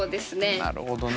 なるほどね。